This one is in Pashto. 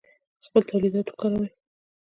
خپل تولیدات وکاروئ